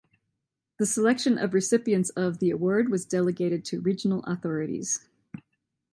The selection of recipients of the award was delegated to regional authorities.